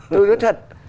tôi nói thật